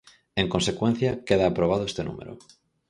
En consecuencia, queda aprobado este número.